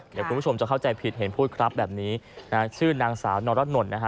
เดี๋ยวคุณผู้ชมจะเข้าใจผิดเห็นพูดครับแบบนี้นะฮะชื่อนางสาวนรนนท์นะฮะ